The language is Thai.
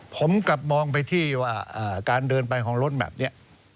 ผมกลับมองไปที่ว่าการเดินไปของรถแบบนี้